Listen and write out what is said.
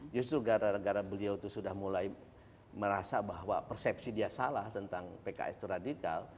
justru gara gara beliau itu sudah mulai merasa bahwa persepsi dia salah tentang pks itu radikal